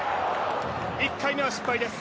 １回目は失敗です。